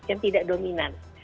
yang tidak dominan